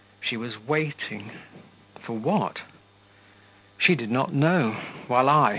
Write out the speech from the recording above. She was waiting ... for what? She did not know ... while I